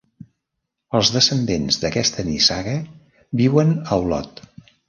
Els descendents d'aquesta nissaga viuen a Olot.